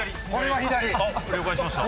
了解しました。